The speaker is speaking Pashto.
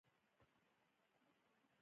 آیا لنډۍ د پښتنو د ژوند انځور نه دی؟